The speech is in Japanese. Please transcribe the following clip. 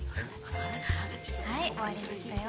はい終わりましたよ。